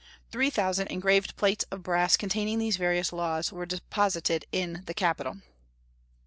Three thousand engraved plates of brass containing these various laws were deposited in the capitol.